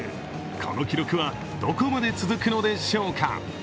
この記録はどこまで続くのでしょうか。